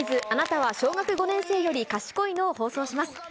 あなたは小学５年生より賢いの？を放送します。